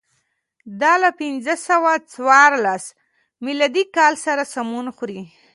دا له پنځه سوه څوارلس میلادي کال سره سمون خوري.